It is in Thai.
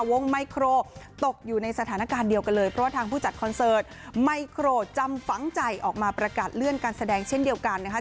ไมโครตกอยู่ในสถานการณ์เดียวกันเลยเพราะว่าทางผู้จัดคอนเสิร์ตไมโครจำฝังใจออกมาประกาศเลื่อนการแสดงเช่นเดียวกันนะคะ